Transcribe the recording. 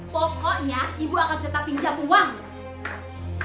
pokoknya ibu akan tetap pinjam uang